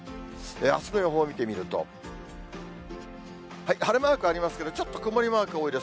あすの予報を見てみると、晴れマークありますけど、ちょっと曇りマーク多いです。